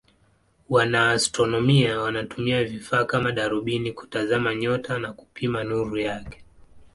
Wanaastronomia wanatumia vifaa kama darubini kutazama nyota na kupima nuru yake.